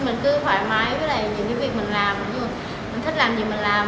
mình cứ thoải mái với lại những cái việc mình làm những cái mình thích làm những cái mình làm